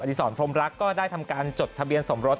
สอนพรมรักก็ได้ทำการจดทะเบียนสมรส